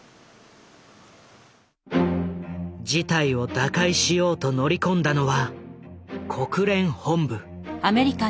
事態を打開しようと乗り込んだのは国連本部。